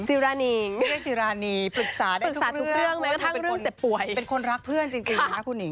ไม่ได้สิรานีปรึกษาได้ทุกเรื่องเป็นคนรักเพื่อนจริงนะคะคุณหนิง